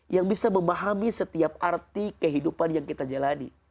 yang bisa memahami setiap arti kehidupan yang kita jalani